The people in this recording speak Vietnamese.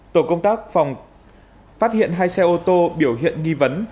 tổ công tác phát hiện hai xe ô tô biểu hiện nghi vấn